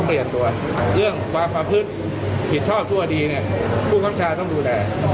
เรื่องภาพพฤตผิดชอบชั่วดีผู้ข้ำชาติต้องดูแล